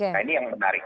nah ini yang menarik